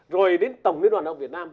rồi đến tổng liên hoàn học việt nam